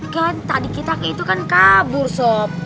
kan tadi kita itu kan kabur sop